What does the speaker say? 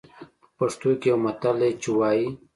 په پښتو کې يو متل دی چې وايي.